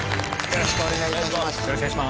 よろしくお願いします。